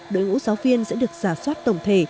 đội ngũ giáo viên sẽ được giả soát tổng thể